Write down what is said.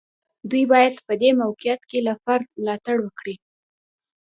دوی باید په دې موقعیت کې له فرد ملاتړ وکړي.